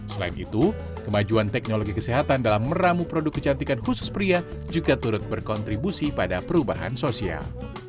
selain itu kemajuan teknologi kesehatan dalam meramu produk kecantikan khusus pria juga turut berkontribusi pada perubahan sosial